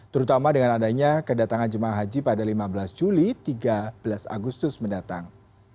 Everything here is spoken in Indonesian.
terutama dengan adanya kedatangan jemaah haji pada lima belas juli tiga belas agustus mendatang